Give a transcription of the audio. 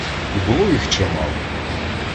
І було їх чимало.